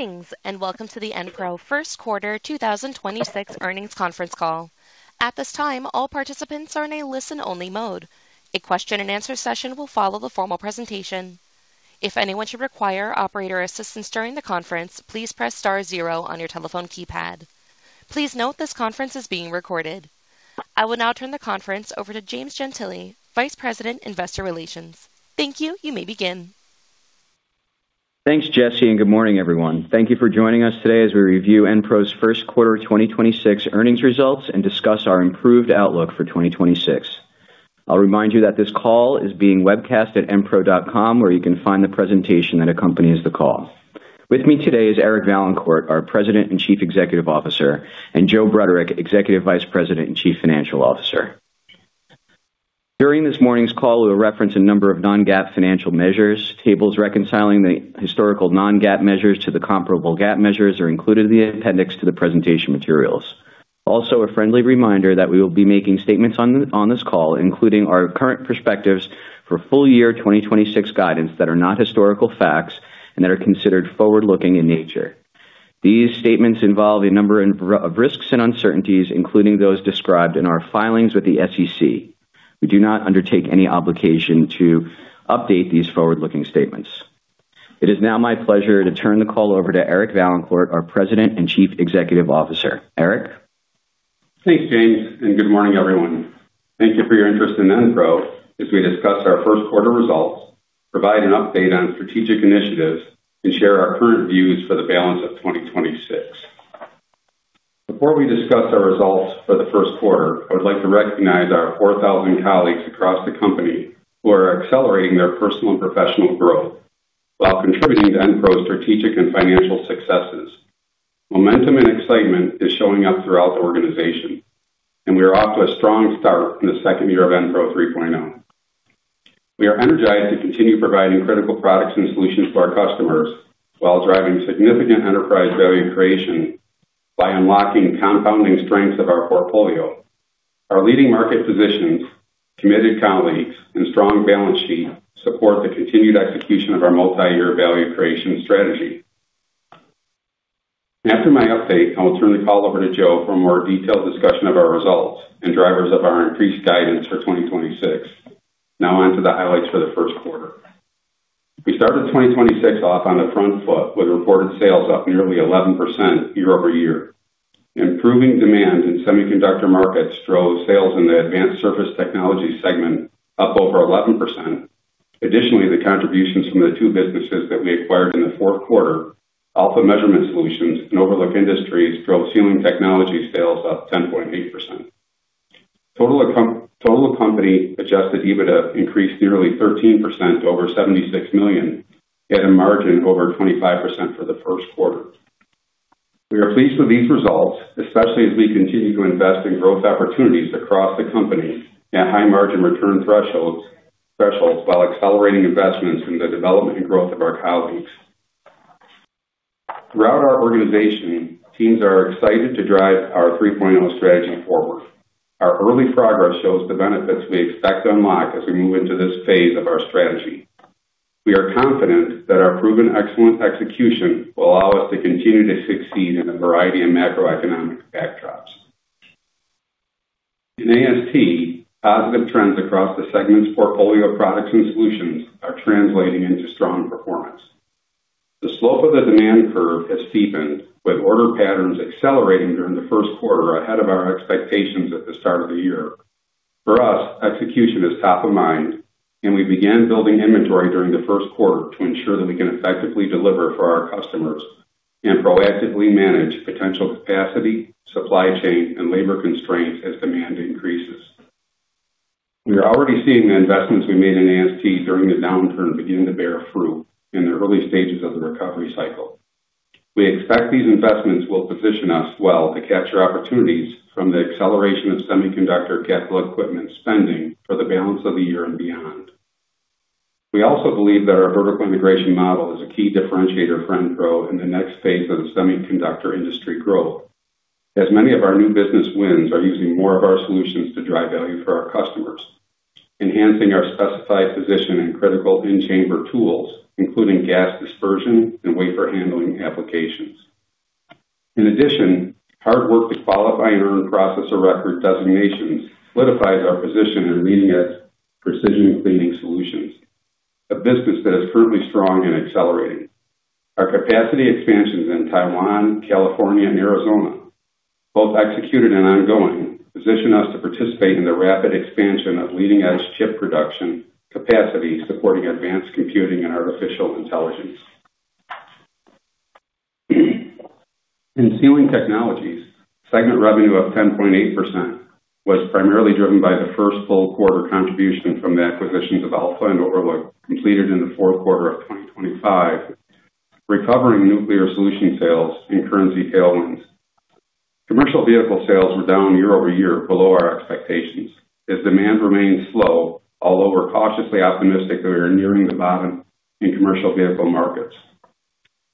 Greetings, and welcome to the Enpro first quarter 2026 earnings conference call. At this time all participants are in listen-only mode. A question-and-answer session will follow the formal presentation. If anyone should require operator assitance during the conference, please press star zero on your telephone keypad. Please note that this conference is being recorded. I will now turn the conference over to James Gentile, Vice President, Investor Relations. Thank you. You may begin. Thanks, James Gentile, and good morning, everyone. Thank you for joining us today as we review Enpro's first quarter of 2026 earnings results and discuss our improved outlook for 2026. I'll remind you that this call is being webcast at enpro.com, where you can find the presentation that accompanies the call. With me today is Eric Vaillancourt, our President and Chief Executive Officer, and Joe Bruderek, Executive Vice President and Chief Financial Officer. During this morning's call, we'll reference a number of non-GAAP financial measures. Tables reconciling the historical non-GAAP measures to the comparable GAAP measures are included in the appendix to the presentation materials. A friendly reminder that we will be making statements on this call, including our current perspectives for full year 2026 guidance that are not historical facts and that are considered forward-looking in nature. These statements involve a number of risks and uncertainties, including those described in our filings with the SEC. We do not undertake any obligation to update these forward-looking statements. It is now my pleasure to turn the call over to Eric Vaillancourt, our President and Chief Executive Officer. Eric. Thanks, James. Good morning, everyone. Thank you for your interest in Enpro as we discuss our first quarter results, provide an update on strategic initiatives, and share our current views for the balance of 2026. Before we discuss our results for the first quarter, I would like to recognize our 4,000 colleagues across the company who are accelerating their personal and professional growth while contributing to Enpro's strategic and financial successes. Momentum and excitement is showing up throughout the organization, and we are off to a strong start in the second year of Enpro 3.0. We are energized to continue providing critical products and solutions to our customers while driving significant enterprise value creation by unlocking compounding strengths of our portfolio. Our leading market positions, committed colleagues, and strong balance sheet support the continued execution of our multi-year value creation strategy. After my update, I will turn the call over to Joe for a more detailed discussion of our results and drivers of our increased guidance for 2026. Now on to the highlights for the first quarter. We started 2026 off on the front foot with reported sales up nearly 11% year-over-year. Improving demand in semiconductor markets drove sales in the Advanced Surface Technologies segment up over 11%. Additionally, the contributions from the two businesses that we acquired in the fourth quarter, AlpHa Measurement Solutions and Overlook Industries, drove Sealing Technologies sales up 10.8%. Total company adjusted EBITDA increased nearly 13% to over $76 million at a margin over 25% for the first quarter. We are pleased with these results, especially as we continue to invest in growth opportunities across the company at high margin return thresholds while accelerating investments in the development and growth of our colleagues. Throughout our organization, teams are excited to drive our Enpro 3.0 strategy forward. Our early progress shows the benefits we expect to unlock as we move into this phase of our strategy. We are confident that our proven excellent execution will allow us to continue to succeed in a variety of macroeconomic backdrops. In AST, positive trends across the segment's portfolio of products and solutions are translating into strong performance. The slope of the demand curve has steepened with order patterns accelerating during the first quarter ahead of our expectations at the start of the year. For us, execution is top of mind, and we began building inventory during the first quarter to ensure that we can effectively deliver for our customers and proactively manage potential capacity, supply chain, and labor constraints as demand increases. We are already seeing the investments we made in AST during the downturn beginning to bear fruit in the early stages of the recovery cycle. We expect these investments will position us well to capture opportunities from the acceleration of semiconductor capital equipment spending for the balance of the year and beyond. We also believe that our vertical integration model is a key differentiator for Enpro in the next phase of the semiconductor industry growth. As many of our new business wins are using more of our solutions to drive value for our customers, enhancing our specified position in critical in-chamber tools, including gas dispersion and wafer handling applications. In addition, hard work to qualify and earn processor of record designations solidifies our position in leading-edge precision cleaning solutions, a business that is currently strong and accelerating. Our capacity expansions in Taiwan, California, and Arizona, both executed and ongoing, position us to participate in the rapid expansion of leading-edge chip production capacity supporting advanced computing and artificial intelligence. In Sealing Technologies, segment revenue of 10.8% was primarily driven by the first full quarter contribution from the acquisitions of AlpHa and Overlook completed in the fourth quarter of 2025, recovering nuclear solution sales and currency tailwinds. Commercial vehicle sales were down year-over-year below our expectations as demand remained slow, although we're cautiously optimistic that we are nearing the bottom in commercial vehicle markets.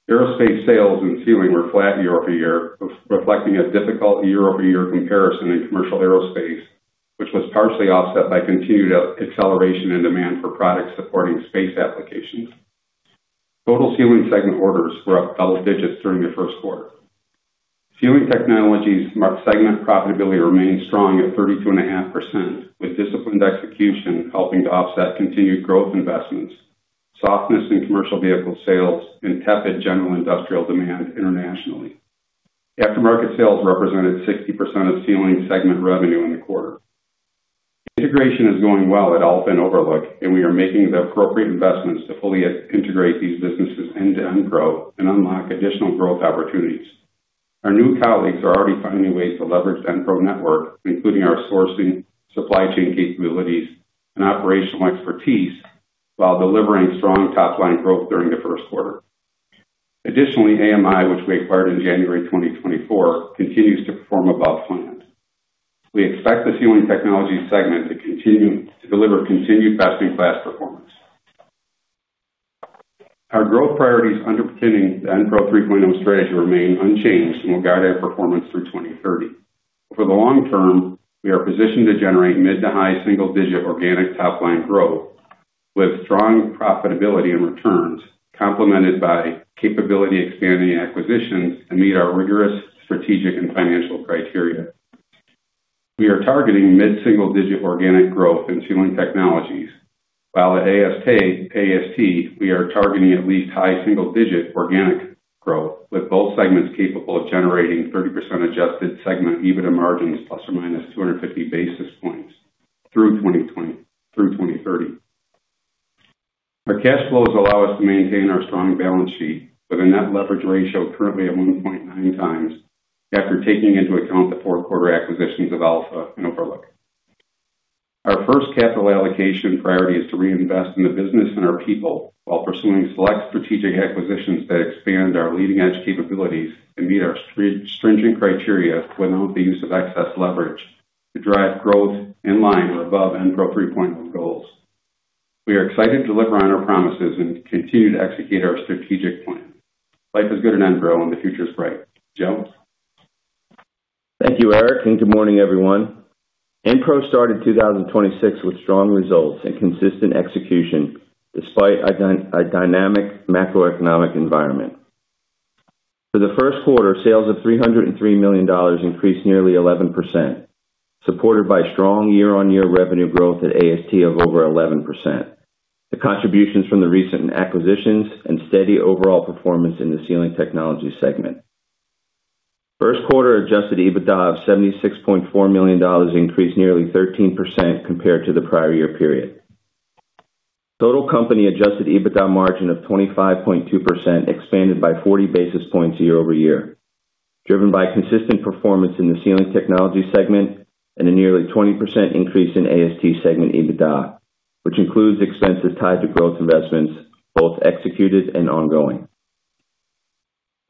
Aerospace sales and Sealing were flat year-over-year, reflecting a difficult year-over-year comparison in commercial aerospace, which was partially offset by continued acceleration and demand for products supporting space applications. Total Sealing segment orders were up double-digits during the first quarter. Sealing Technologies segment profitability remained strong at 32.5%, with disciplined execution helping to offset continued growth investments, softness in commercial vehicle sales, and tepid general industrial demand internationally. Aftermarket sales represented 60% of Sealing segment revenue in the quarter. Integration is going well at AlpHa and Overlook. We are making the appropriate investments to fully integrate these businesses into Enpro and unlock additional growth opportunities. Our new colleagues are already finding ways to leverage Enpro network, including our sourcing, supply chain capabilities, and operational expertise, while delivering strong top-line growth during the first quarter. Additionally, AMI, which we acquired in January 2024, continues to perform above plan. We expect the Sealing Technologies segment to continue to deliver continued best-in-class performance. Our growth priorities underpinning the Enpro 3.0 strategy remain unchanged and will guide our performance through 2030. For the long term, we are positioned to generate mid to high single-digit organic top-line growth with strong profitability and returns, complemented by capability expanding acquisitions that meet our rigorous strategic and financial criteria. We are targeting mid-single-digit organic growth in Sealing Technologies, while at AST, we are targeting at least high single-digit organic growth, with both segments capable of generating 30% adjusted segment EBITDA margins ±250 basis points through 2030. Our cash flows allow us to maintain our strong balance sheet with a net leverage ratio currently at 1.9x after taking into account the fourth quarter acquisitions of AlpHa and Overlook. Our first capital allocation priority is to reinvest in the business and our people while pursuing select strategic acquisitions that expand our leading-edge capabilities and meet our stringent criteria without the use of excess leverage to drive growth in line or above Enpro 3.0 goals. We are excited to deliver on our promises and continue to execute our strategic plan. Life is good at Enpro and the future is bright. Joe? Thank you, Eric, and good morning, everyone. Enpro started 2026 with strong results and consistent execution despite a dynamic macroeconomic environment. For the first quarter, sales of $303 million increased nearly 11%, supported by strong year-on-year revenue growth at AST of over 11%, the contributions from the recent acquisitions and steady overall performance in the Sealing Technologies segment. First quarter adjusted EBITDA of $76.4 million increased nearly 13% compared to the prior year period. Total company adjusted EBITDA margin of 25.2% expanded by 40 basis points year-over-year, driven by consistent performance in the Sealing Technologies segment and a nearly 20% increase in AST segment EBITDA, which includes expenses tied to growth investments, both executed and ongoing.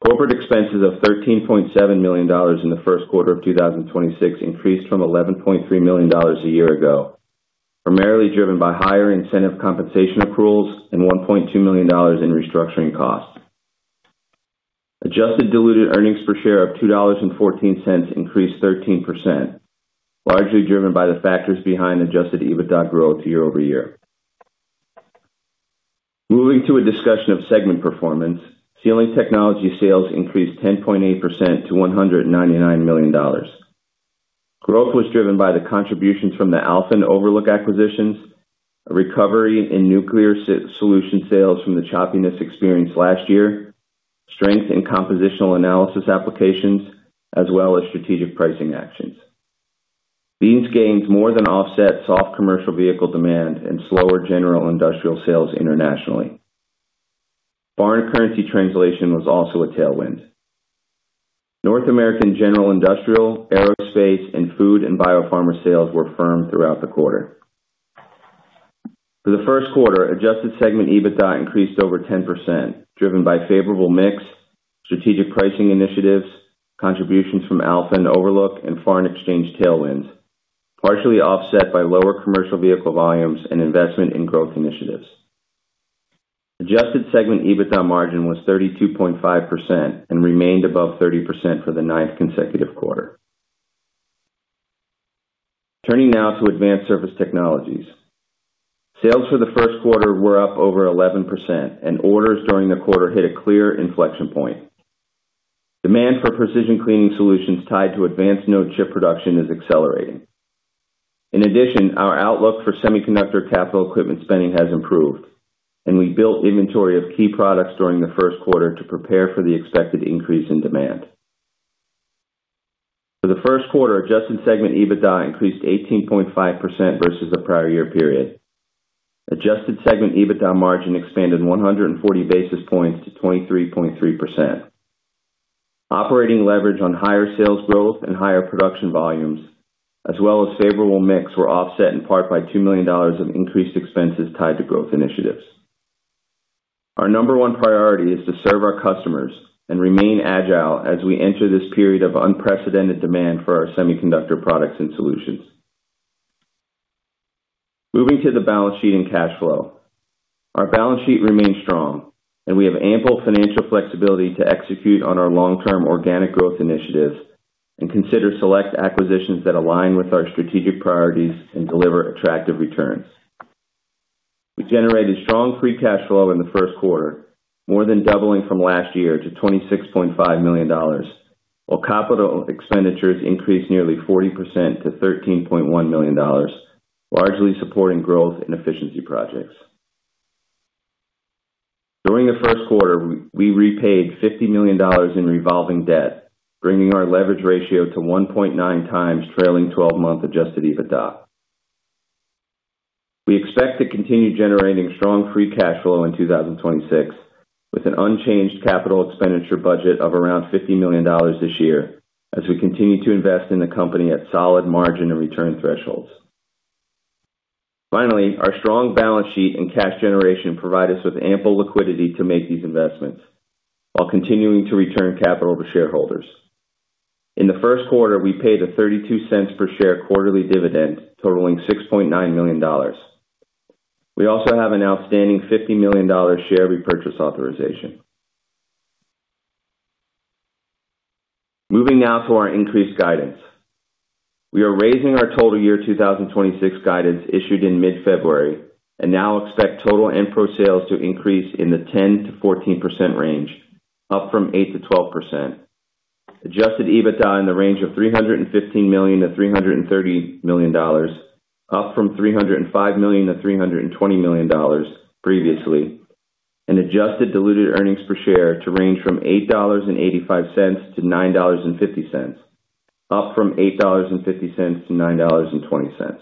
Corporate expenses of $13.7 million in the first quarter of 2026 increased from $11.3 million a year ago, primarily driven by higher incentive compensation accruals and $1.2 million in restructuring costs. Adjusted diluted earnings per share of $2.14 increased 13%, largely driven by the factors behind adjusted EBITDA growth year-over-year. Moving to a discussion of segment performance, Sealing Technologies sales increased 10.8% to $199 million. Growth was driven by the contributions from the AlpHa and Overlook acquisitions, a recovery in nuclear solution sales from the choppiness experienced last year, strength in compositional analysis applications, as well as strategic pricing actions. These gains more than offset soft commercial vehicle demand and slower general industrial sales internationally. Foreign currency translation was also a tailwind. North American general industrial, aerospace, and food and biopharma sales were firm throughout the quarter. For the first quarter, adjusted segment EBITDA increased over 10%, driven by favorable mix, strategic pricing initiatives, contributions from AlpHa and Overlook, and foreign exchange tailwinds, partially offset by lower commercial vehicle volumes and investment in growth initiatives. Adjusted segment EBITDA margin was 32.5% and remained above 30% for the ninth consecutive quarter. Turning now to Advanced Surface Technologies. Sales for the first quarter were up over 11%, and orders during the quarter hit a clear inflection point. Demand for precision cleaning solutions tied to advanced node chip production is accelerating. In addition, our outlook for semiconductor capital equipment spending has improved, and we built inventory of key products during the first quarter to prepare for the expected increase in demand. For the first quarter, adjusted segment EBITDA increased 18.5% versus the prior year period. Adjusted segment EBITDA margin expanded 140 basis points to 23.3%. Operating leverage on higher sales growth and higher production volumes as well as favorable mix were offset in part by $2 million of increased expenses tied to growth initiatives. Our number one priority is to serve our customers and remain agile as we enter this period of unprecedented demand for our semiconductor products and solutions. Moving to the balance sheet and cash flow. Our balance sheet remains strong, and we have ample financial flexibility to execute on our long-term organic growth initiatives and consider select acquisitions that align with our strategic priorities and deliver attractive returns. We generated strong free cash flow in the first quarter, more than doubling from last year to $26.5 million, while capital expenditures increased nearly 40% to $13.1 million, largely supporting growth and efficiency projects. During the first quarter, we repaid $50 million in revolving debt, bringing our leverage ratio to 1.9x trailing 12-month adjusted EBITDA. We expect to continue generating strong free cash flow in 2026, with an unchanged capital expenditure budget of around $50 million this year as we continue to invest in the company at solid margin and return thresholds. Finally, our strong balance sheet and cash generation provide us with ample liquidity to make these investments while continuing to return capital to shareholders. In the first quarter, we paid a $0.32 per share quarterly dividend, totaling $6.9 million. We also have an outstanding $50 million share repurchase authorization. Moving now to our increased guidance. We are raising our total year 2026 guidance issued in mid-February and now expect total Enpro sales to increase in the 10%-14% range, up from 8%-12%. Adjusted EBITDA in the range of $315 million-$330 million, up from $305 million-$320 million previously. Adjusted diluted earnings per share to range from $8.85-$9.50, up from $8.50-$9.20.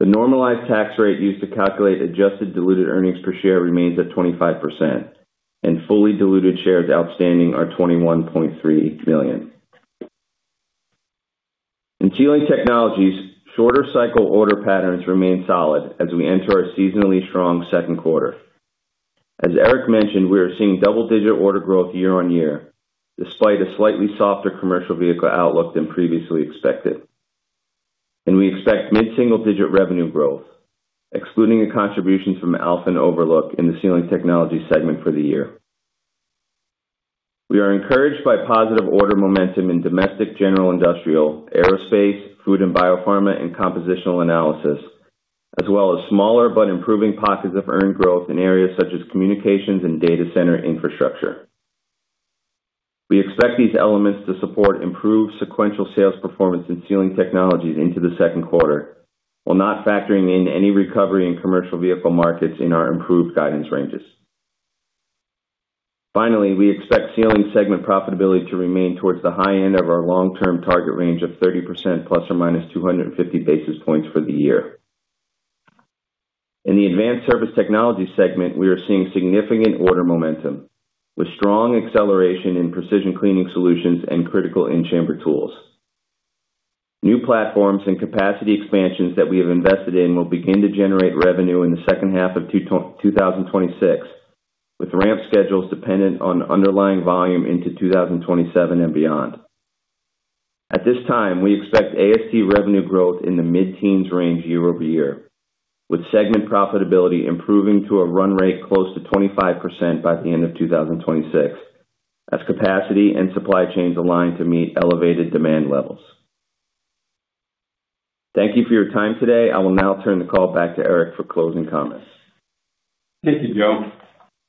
The normalized tax rate used to calculate adjusted diluted earnings per share remains at 25%, and fully diluted shares outstanding are 21.3 million. In Sealing Technologies, shorter cycle order patterns remain solid as we enter our seasonally strong second quarter. As Eric mentioned, we are seeing double-digit order growth year-over-year, despite a slightly softer commercial vehicle outlook than previously expected. We expect mid-single-digit revenue growth, excluding the contributions from AlpHa and Overlook in the Sealing Technologies segment for the year. We are encouraged by positive order momentum in domestic general industrial, aerospace, food and biopharma, and compositional analysis, as well as smaller but improving pockets of earned growth in areas such as communications and data center infrastructure. We expect these elements to support improved sequential sales performance in Sealing Technologies into the second quarter, while not factoring in any recovery in commercial vehicle markets in our improved guidance ranges. Finally, we expect Sealing segment profitability to remain towards the high end of our long-term target range of 30% ±250 basis points for the year. In the Advanced Surface Technologies segment, we are seeing significant order momentum, with strong acceleration in precision cleaning solutions and critical in-chamber tools. New platforms and capacity expansions that we have invested in will begin to generate revenue in the second half of 2026, with ramp schedules dependent on underlying volume into 2027 and beyond. At this time, we expect AST revenue growth in the mid-teens range year-over-year, with segment profitability improving to a run rate close to 25% by the end of 2026 as capacity and supply chains align to meet elevated demand levels. Thank you for your time today. I will now turn the call back to Eric for closing comments. Thank you, Joe.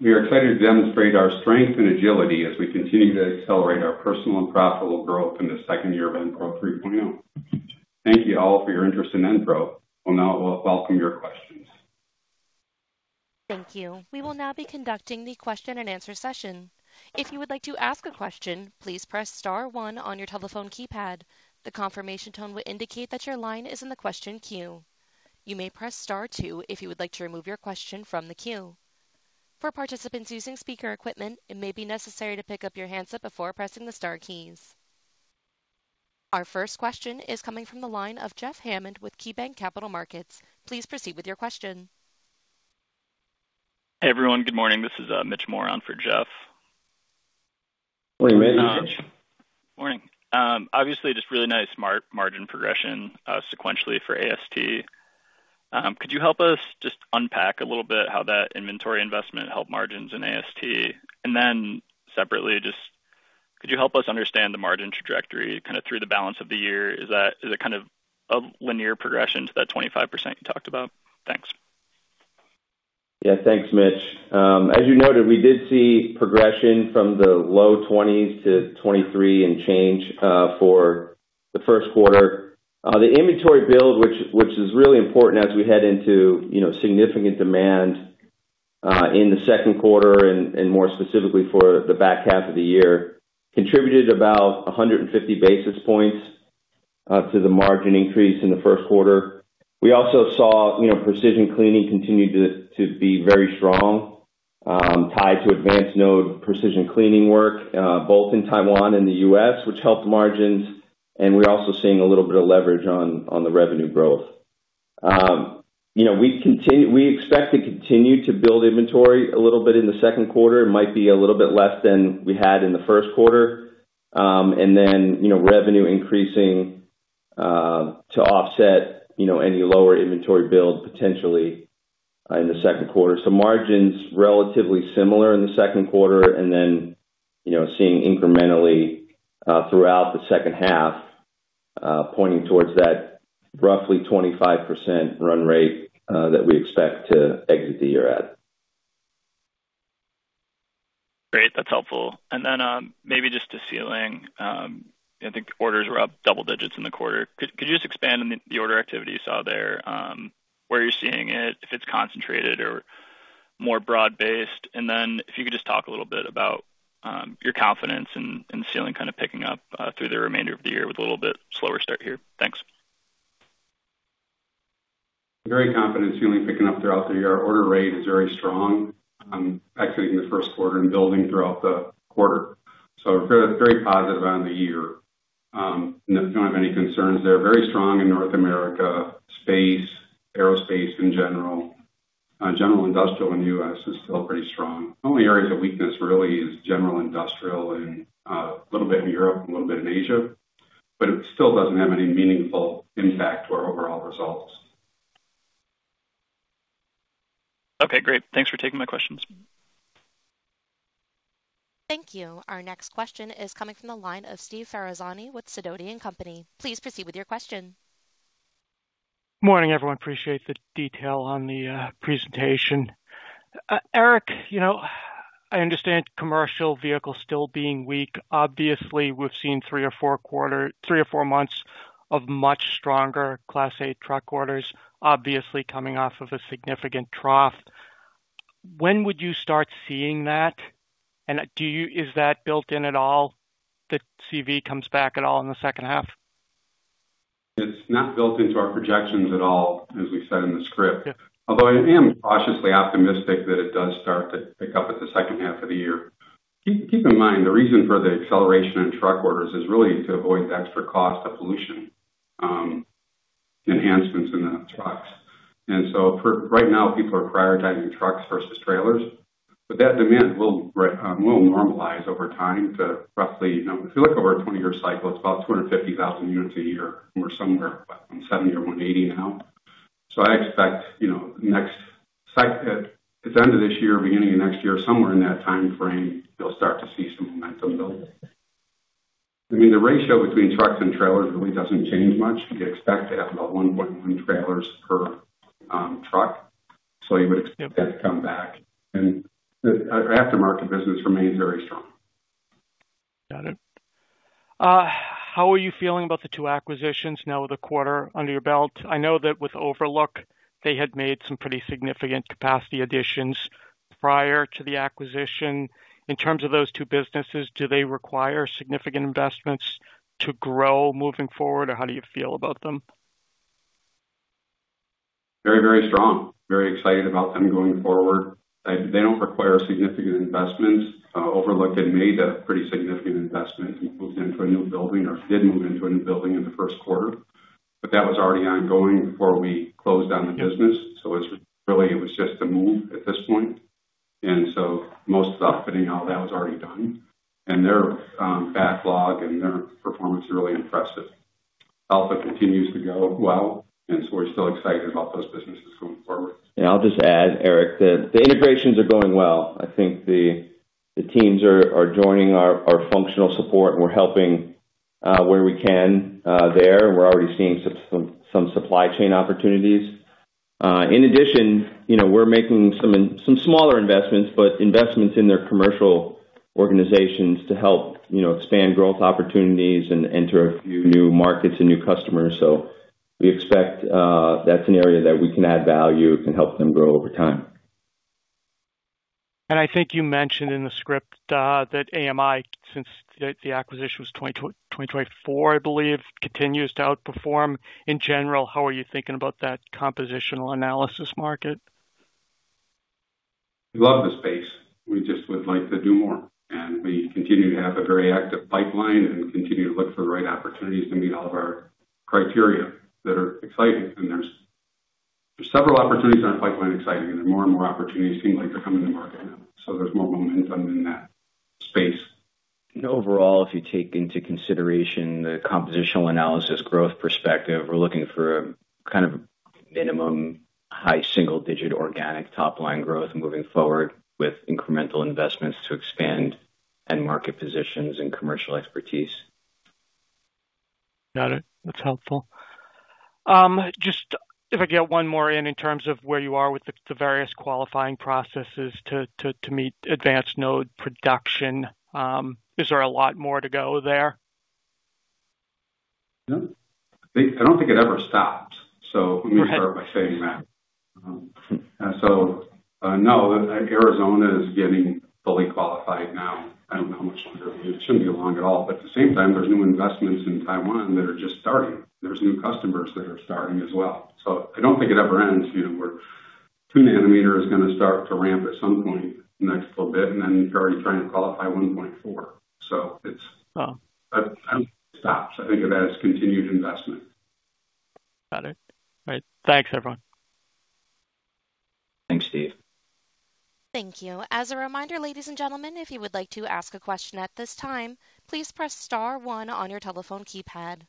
We are excited to demonstrate our strength and agility as we continue to accelerate our personal and profitable growth in the second year of Enpro 3.0. Thank you all for your interest in Enpro. We'll now welcome your questions. Thank you. We will now be conducting our question-and-answer session. If you'd like to ask a question please press star one on your telephone keypad. The confirmation tone will indicate that your line is in question queue. You may press star two if you'd like to remove your question from the queue. For participants using speaker equipments it may be necessary to to pickup your handset equipment before pressing the star keys. Our first question is coming from the line of Jeff Hammond with KeyBanc Capital Markets. Please proceed with your question. Hey, everyone. Good morning. This is Mitch Moran for Jeff. Morning, Mitch. Morning. Obviously, just really nice smart margin progression sequentially for AST. Could you help us just unpack a little bit how that inventory investment helped margins in AST? Separately, just could you help us understand the margin trajectory kinda through the balance of the year? Is that kind of a linear progression to that 25% you talked about? Thanks. Yeah. Thanks, Mitch. As you noted, we did see progression from the low 20s to 23% and change for the first quarter. The inventory build, which is really important as we head into, you know, significant demand in the second quarter and more specifically for the back half of the year, contributed about 150 basis points to the margin increase in the first quarter. We also saw, you know, precision cleaning continue to be very strong, tied to advanced node precision cleaning work both in Taiwan and the U.S., which helped margins. We're also seeing a little bit of leverage on the revenue growth. You know, we expect to continue to build inventory a little bit in the second quarter. It might be a little bit less than we had in the first quarter. You know, revenue increasing to offset, you know, any lower inventory build potentially in the second quarter. Margin's relatively similar in the second quarter and then, you know, seeing incrementally throughout the second half pointing towards that roughly 25% run-rate that we expect to exit the year at. Great. That's helpful. Maybe just to Sealing. I think orders were up double-digits in the quarter. Could you just expand on the order activity you saw there, where you're seeing it, if it's concentrated or more broad-based? If you could just talk a little bit about your confidence in Sealing kind of picking up through the remainder of the year with a little bit slower start here. Thanks. Very confident in Sealing picking up throughout the year. Our order rate is very strong, actually in the first quarter and building throughout the quarter. We're very positive on the year. Don't have any concerns there. Very strong in North America, space, aerospace in general. General industrial in the U.S. is still pretty strong. Only areas of weakness really is general industrial and a little bit in Europe, a little bit in Asia, but it still doesn't have any meaningful impact to our overall results. Okay, great. Thanks for taking my questions. Thank you. Our next question is coming from the line of Steve Ferazani with Sidoti & Company. Please proceed with your question. Morning, everyone. Appreciate the detail on the presentation. Eric, you know, I understand commercial vehicles still being weak. Obviously, we've seen 3 or 4 months of much stronger Class 8 truck orders, obviously coming off of a significant trough. When would you start seeing that? Is that built in at all, that CV comes back at all in the second half? It's not built into our projections at all, as we said in the script. Yeah. Although I am cautiously optimistic that it does start to pick up at the second half of the year. Keep in mind, the reason for the acceleration in truck orders is really to avoid the extra cost of pollution enhancements in the trucks. For right now, people are prioritizing trucks versus trailers, but that demand will normalize over time to roughly, if you look over a 20-year cycle, it's about 250,000 units a year. We're somewhere around 70 or 180 now. I expect, at the end of this year or beginning of next year, somewhere in that timeframe, you'll start to see some momentum build. The ratio between trucks and trailers really doesn't change much. We expect to have about 1.1 trailers per truck. You would expect that to come back. The aftermarket business remains very strong. Got it. How are you feeling about the two acquisitions now with a quarter under your belt? I know that with Overlook, they had made some pretty significant capacity additions prior to the acquisition. In terms of those two tbusinesses, do they require significant investments to grow moving forward, or how do you feel about them? Very, very strong. Very excited about them going forward. They don't require significant investment. Overlook had made a pretty significant investment and moved into a new building or did move into a new building in the first quarter, but that was already ongoing before we closed on the business. It was just a move at this point. Most of the upfitting, all that was already done. Their backlog and their performance is really impressive. AlpHa continues to go well, we're still excited about those businesses going forward. Yeah, I'll just add, Eric, that the integrations are going well. I think the teams are joining our functional support. We're helping where we can there. We're already seeing some supply chain opportunities. In addition, you know, we're making some smaller investments, but investments in their commercial organizations to help, you know, expand growth opportunities and enter a few new markets and new customers. We expect that's an area that we can add value and help them grow over time. I think you mentioned in the script that AMI, since the acquisition was 2024, I believe, continues to outperform. In general, how are you thinking about that compositional analysis market? We love the space. We just would like to do more. We continue to have a very active pipeline, and we continue to look for the right opportunities to meet all of our criteria that are exciting. There's several opportunities in our pipeline exciting, and more and more opportunities seem like they're coming to market now. There's more momentum in that space. Overall, if you take into consideration the compositional analysis growth perspective, we're looking for kind of a minimum high single-digit organic top-line growth moving forward with incremental investments to expand end market positions and commercial expertise. Got it. That's helpful. Just if I could get one more in terms of where you are with the various qualifying processes to meet advanced node production. Is there a lot more to go there? No. I don't think it ever stops. Right let me start by saying that. No, Arizona is getting fully qualified now. I don't know how much longer. It shouldn't be long at all. At the same time, there's new investments in Taiwan that are just starting. There's new customers that are starting as well. I don't think it ever ends. You know. 2 nm is gonna start to ramp at some point in the next little bit, and then you're already trying to qualify 1.4. Wow. I wouldn't say it stops. I think of that as continued investment. Got it. All right. Thanks, everyone. Thanks, Steve. Thank you. As a reminder, ladies and gentlemen, if you would like to ask a question at this time, please press star one on your telephone keypad.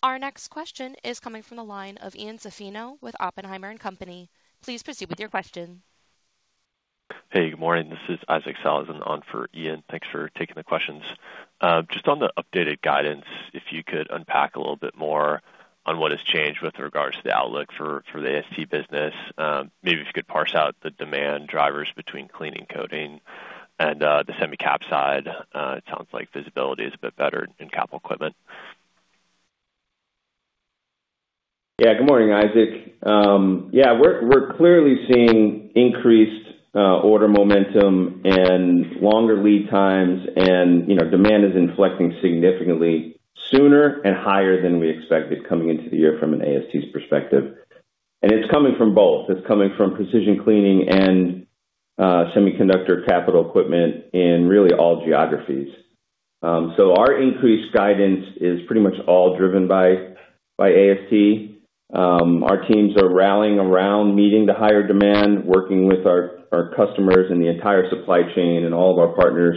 Our next question is coming from the line of Ian Zaffino with Oppenheimer & Co. Please proceed with your question. Hey, good morning. This is Isaac Sellhausen on for Ian. Thanks for taking the questions. Just on the updated guidance, if you could unpack a little bit more on what has changed with regards to the outlook for the AST business. Maybe if you could parse out the demand drivers between cleaning, coating and the semi cap side. It sounds like visibility is a bit better in capital equipment. Good morning, Isaac. We're clearly seeing increased order momentum and longer lead times, and, you know, demand is inflecting significantly sooner and higher than we expected coming into the year from an AST's perspective. It's coming from both. It's coming from precision cleaning and semiconductor capital equipment in really all geographies. Our increased guidance is pretty much all driven by AST. Our teams are rallying around meeting the higher demand, working with our customers and the entire supply chain and all of our partners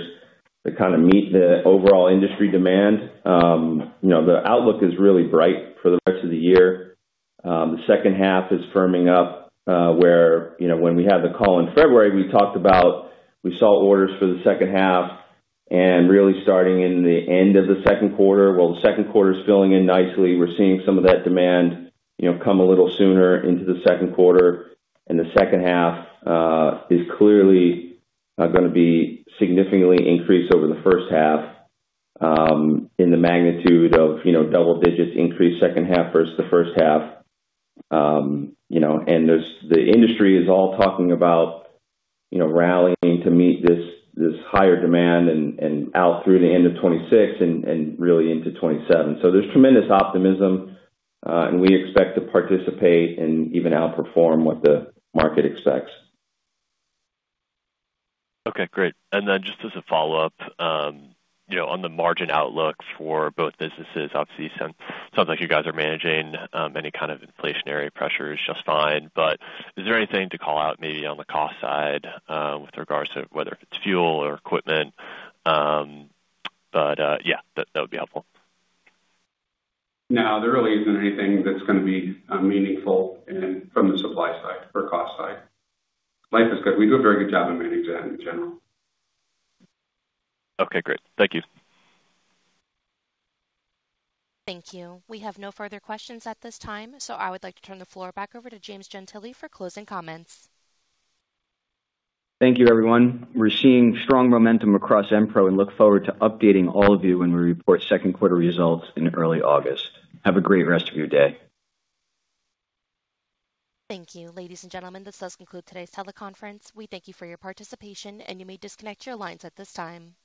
to kind of meet the overall industry demand. You know, the outlook is really bright for the rest of the year. The second half is firming up, where, you know, when we had the call in February, we talked about we saw orders for the second half and really starting in the end of the second quarter. Well, the second quarter's filling in nicely. We're seeing some of that demand, you know, come a little sooner into the second quarter. The second half is clearly gonna be significantly increased over the first half, in the magnitude of, you know, double-digits increase second half versus the first half. You know, the industry is all talking about, you know, rallying to meet this higher demand and out through the end of 2026 and really into 2027. There's tremendous optimism, and we expect to participate and even outperform what the market expects. Okay. Great. Just as a follow-up, you know, on the margin outlook for both businesses, obviously sound, sounds like you guys are managing any kind of inflationary pressures just fine. Is there anything to call out maybe on the cost side with regards to whether it's fuel or equipment? Yeah, that would be helpful. No, there really isn't anything that's gonna be meaningful from the supply side or cost side. Life is good. We do a very good job of managing that in general. Okay. Great. Thank you. Thank you. We have no further questions at this time, so I would like to turn the floor back over to James Gentile for closing comments. Thank you, everyone. We're seeing strong momentum across Enpro and look forward to updating all of you when we report second quarter results in early August. Have a great rest of your day. Thank you. Ladies and gentlemen, this does conclude today's teleconference. We thank you for your participation, and you may disconnect your lines at this time.